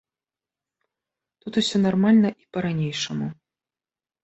Тут усё нармальна і па-ранейшаму.